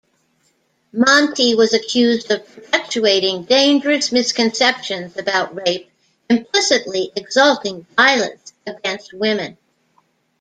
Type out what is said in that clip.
Monty was accused of perpetuating dangerous misconceptions about rape, implicitly exalting violence against women.